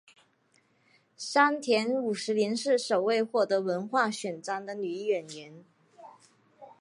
山田五十铃是首位获得文化勋章的女演员。